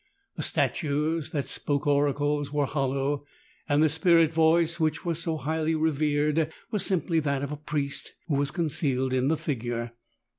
The statues that spoke oracles were hollow, and the spirit voice which was so highly revered was simply that of a priest who was concealed in the figure.